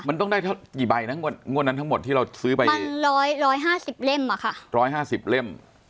มันต้องได้เท่ากี่ใบนะงวดงวดนั้นทั้งหมดที่เราซื้อไปมันร้อยร้อยห้าสิบเล่มอ่ะค่ะร้อยห้าสิบเล่ม